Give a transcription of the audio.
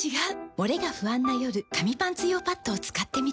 モレが不安な夜紙パンツ用パッドを使ってみた。